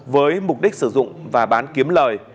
với mục đích sử dụng và bán kiếm lời